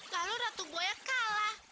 lalu ratu buaya kalah